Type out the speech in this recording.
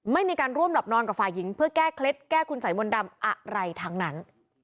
ไม่มีการร่วมหลับนอนกับฝ่ายหญิงเพื่อแก้เคล็ดแก้คุณสัยมนต์ดำอะไรทั้งนั้น